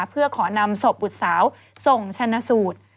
เพื่อขอนำศพบุตรสาวส่งชนะสูตร